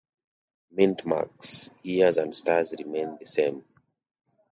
Mint marks, year and stars remain the same.